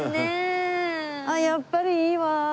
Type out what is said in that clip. やっぱりいいわ。